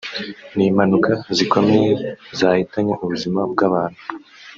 n’impanuka zikomeye zahitanye ubuzima bw’abantu